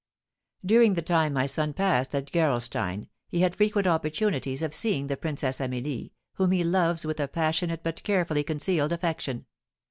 "During the time my son passed at Gerolstein he had frequent opportunities of seeing the Princess Amelie, whom he loves with a passionate but carefully concealed affection.